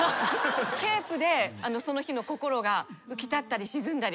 ケープでその日の心が浮き立ったり沈んだり。